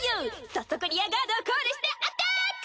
早速リアガードをコールしてアタック！